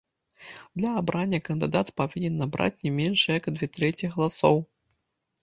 Для абрання кандыдат павінен набраць не менш як дзве трэці галасоў.